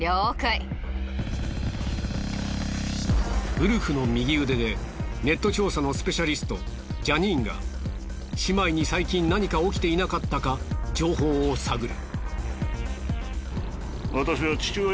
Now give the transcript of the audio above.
ウルフの右腕でネット調査のスペシャリストジャニーンが姉妹に最近何か起きていなかったか情報を探る。